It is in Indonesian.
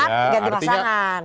udah mau akar ganti pasangan